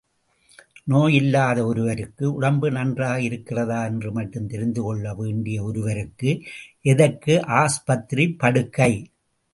நோய் இல்லாத ஒருவருக்கு, உடம்பு நன்றாக இருக்கிறதா என்று மட்டும் தெரிந்துகொள்ள வேண்டிய ஒருவருக்கு, எதற்கு ஆஸ்பத்திரி படுக்கை?